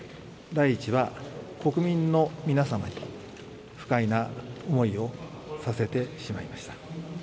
第１は、国民の皆様に不快な思いをさせてしまいました。